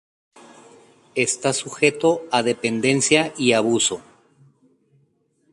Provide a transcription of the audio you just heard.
Está sujeto a dependencia y abuso.